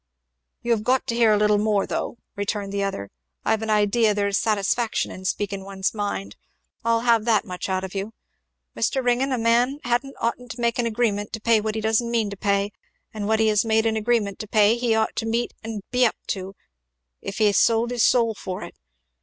"You have got to hear a little more, though," returned the other, "I've an idea that there's a satisfaction in speaking one's mind. I'll have that much out of you! Mr. Ringgan, a man hadn't ought to make an agreement to pay what he doesn't mean to pay, and what he has made an agreement to pay he ought to meet and be up to, if he sold his soul for it!